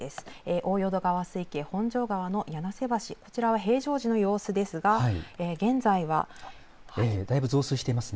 大淀川水系本庄川の柳瀬橋、こちらは平常時の様子ですが、現在、だいぶ増水しています。